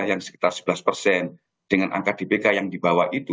yang sekitar sebelas persen dengan angka dpk yang dibawa itu